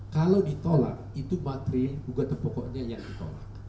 kalau ditolak itu materi gugatan pokoknya yang ditolak